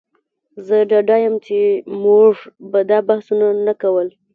زه ډاډه یم چې موږ به دا بحثونه نه کول